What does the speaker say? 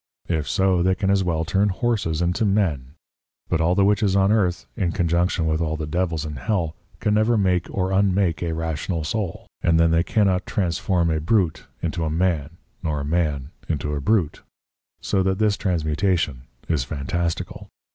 If so, they can as well turn Horses into Men; but all the Witches on Earth in Conjunction with all the Devils in Hell, can never make or unmake a rational Soul, and then they cannot transform a Bruit into a Man, nor a Man into a Bruit; so that this Transmutation is fantastical.